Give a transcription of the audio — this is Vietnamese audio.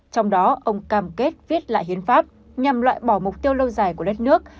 trong đó ông cam kết viết lại hiến pháp nhằm loại bỏ mục tiêu lâu dài của đất nước